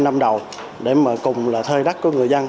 năm năm đầu để mở cùng là thơi đắc của người dân